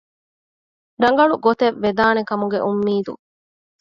ރަނގަޅު ގޮތެއް ވެދާނެ ކަމުގެ އުންމީދު